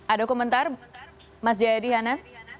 ada komentar mas jaya dihana